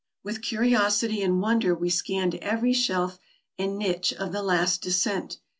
With curiosity and wonder we scanned every shelf and niche of the last descent.